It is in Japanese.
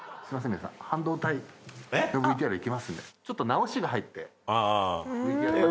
ちょっと直しが入って。